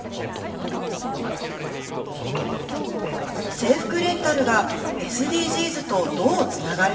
制服レンタルがＳＤＧｓとどうつながるのか。